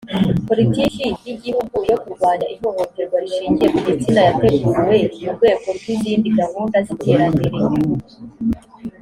politiki y igihugu yo kurwanya ihohoterwa rishingiye ku gitsina yateguwe mu rwego rw izindi gahunda z iterambere u